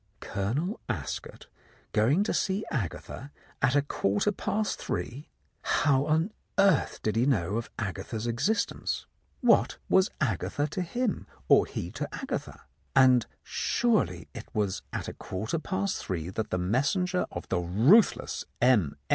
Colonel Ascot going to see Agatha at a quarter past three. ... How on earth did he know of Agatha's existence? What was 17 The Countess of Lowndes Square Agatha to him, or he to Agatha ? And surely it was at a quarter past three that the messenger of the ruth less M.